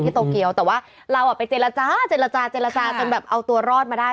ที่โตเกียวแต่ว่าเราไปเจรจาจนแบบเอาตัวรอดมาได้